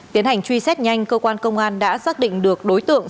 tiến hành truy xét nhanh cơ quan công an đã xác định được đối tượng